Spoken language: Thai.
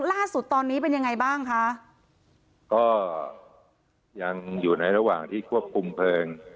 ล่าสุดตอนนี้เป็นยังไงบ้างคะก็ยังอยู่ในระหว่างที่ควบคุมเพลิง